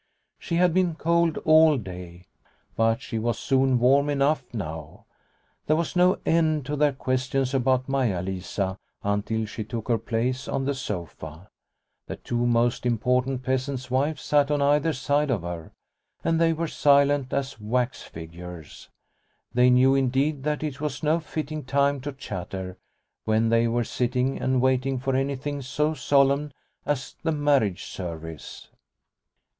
She had been cold all day, but she was soon warm enough now. There was no end to their questions about Maia Lisa until she took her place on the sofa. The two most important peasants' wives sat on either side of her, and they were silent as wax figures. They knew, indeed, that it was no fitting time to chatter when they were sitting and waiting for anything so solemn as the marriage service